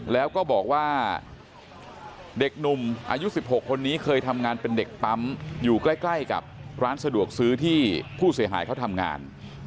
แล้วก็บอกว่าเด็กหนุ่มอายุ๑๖คนนี้เคยทำงานเป็นเด็กปั๊มอยู่ใกล้กับร้านสะดวกซื้อที่ผู้เสียหายเขาทำงาน